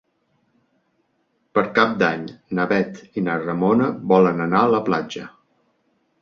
Per Cap d'Any na Bet i na Ramona volen anar a la platja.